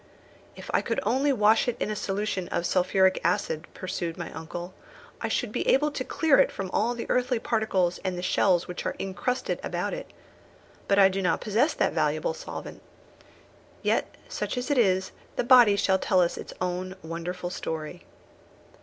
"If I could only wash it in a solution of sulphuric acid," pursued my uncle, "I should be able to clear it from all the earthy particles and the shells which are incrusted about it. But I do not possess that valuable solvent. Yet, such as it is, the body shall tell us its own wonderful story."